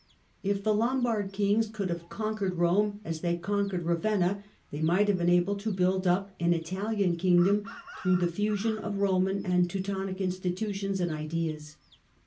If the Lombard kings could have conquered Home, as they conquered Kavenna, they might have been able to build up an Italian kingdom through the fusion of Eoman and Teutonic institutions and ideas.